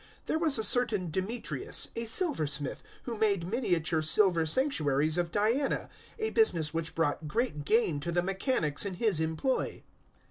019:024 There was a certain Demetrius, a silversmith, who made miniature silver sanctuaries of Diana, a business which brought great gain to the mechanics in his employ.